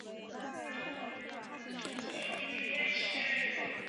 自古以来多有诗人提及该处。